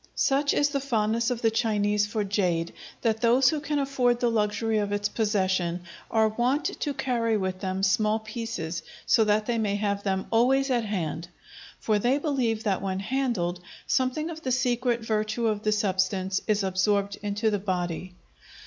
Such is the fondness of the Chinese for jade that those who can afford the luxury of its possession are wont to carry with them small pieces, so that they may have them always at hand; for they believe that, when handled, something of the secret virtue of the substance is absorbed into the body.